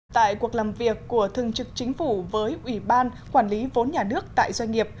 tại cuộc làm việc của thương trực chính phủ với ủy ban quản lý vốn nhà nước tại doanh nghiệp